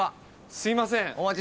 すいません